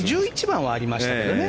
１１番はありましたよね